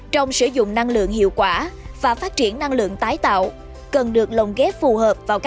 trong sử dụng năng lượng hiệu quả và phát triển năng lượng tái tạo cần được lồng ghép phù hợp vào các